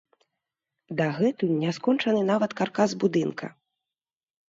Дагэтуль няскончаны нават каркас будынка.